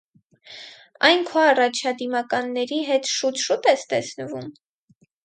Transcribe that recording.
Այն քո առաջադիմականների հետ շուտ-շո՞ւտ ես տեսնվում: